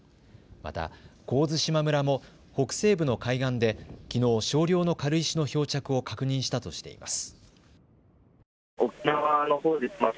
また、神津島村も北西部の海岸できのう少量の軽石の漂着を確認したとしています。